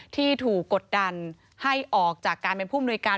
ที่ถูกกดดันให้ออกจากการเป็นผู้มนุยการ